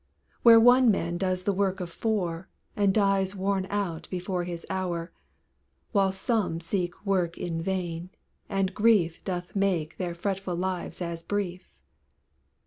Where one man does the work of four, And dies worn out before his hour; While some seek work in vain, and grief Doth make their fretful lives as brief.